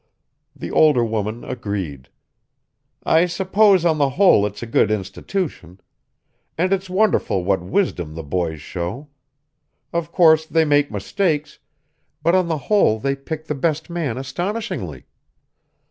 The older woman agreed. "I suppose on the whole it's a good institution. And it's wonderful what wisdom the boys show. Of course, they make mistakes, but on the whole they pick the best men astonishingly.